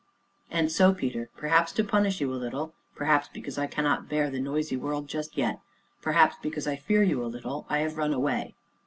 "And so, Peter perhaps to punish you a little, perhaps because I cannot bear the noisy world just yet, perhaps because I fear you a little I have run away.